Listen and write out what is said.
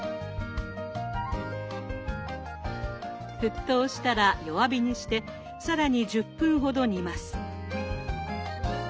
沸騰したら弱火にして更に１０分ほど煮ます。